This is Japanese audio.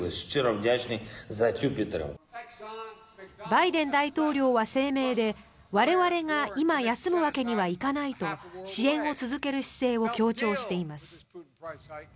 バイデン大統領は声明で我々が今休むわけにはいかないと支援を続ける姿勢を強調しています。